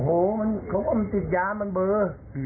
โอ้โฮเขาก็มันติดย้ามันเบอร์